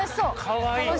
かわいい。